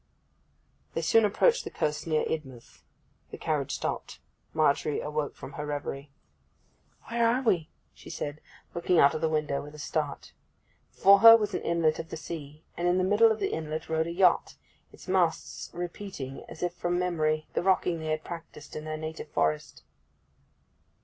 They soon approached the coast near Idmouth. The carriage stopped. Margery awoke from her reverie. 'Where are we?' she said, looking out of the window, with a start. Before her was an inlet of the sea, and in the middle of the inlet rode a yacht, its masts repeating as if from memory the rocking they had practised in their native forest.